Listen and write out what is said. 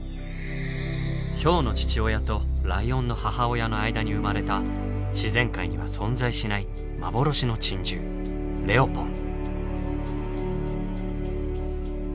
ヒョウの父親とライオンの母親の間に生まれた自然界には存在しない幻の珍獣「レオポン」。